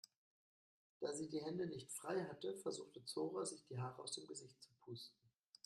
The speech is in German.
Da sie die Hände nicht frei hatte, versuchte Zora sich die Haare aus dem Gesicht zu pusten.